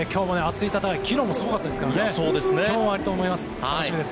昨日もすごかったですから今日もあると思います。